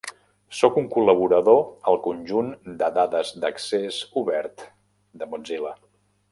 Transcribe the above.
Sóc un col·laborador al conjunt de dades d'accés obert de Mozilla.